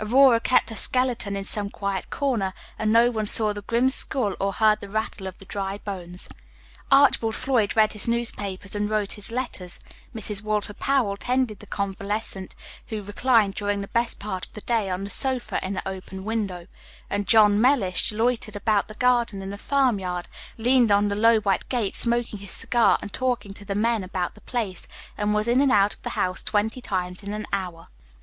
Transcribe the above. Aurora kept Page 51 her skeleton in some quiet corner, and no one saw the grim skull, or heard the rattle of the dry bones. Archibald Floyd read his newspapers and wrote his letters; Mrs. Walter Powell tended the convalescent, who reclined during the best part of the day on the sofa in the open window; and John Mellish loitered about the garden and the farm yard, leaned on the low white gate, smoking his cigar, and talking to the men about the place, and was in and out of the house twenty times in an hour.